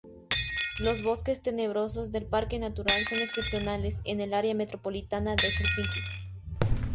Los bosques tenebrosos del parque natural son excepcionales en el área metropolitana de Helsinki.